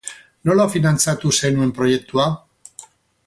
Nola finantzatu zenuen proiektua?